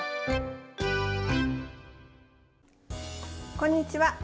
こんにちは。